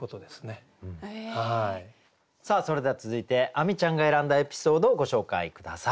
さあそれでは続いて亜美ちゃんが選んだエピソードをご紹介下さい。